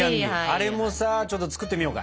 あれもさちょっと作ってみようか！